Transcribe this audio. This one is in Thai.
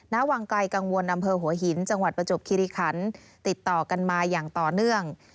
ณวังไกลกังวลอำเภอหัวหินจังหวัดประจบคิริคันติดต่อกันมาอย่างต่อเนื่อง